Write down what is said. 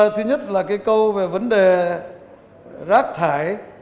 thứ nhất là câu về vấn đề rác thải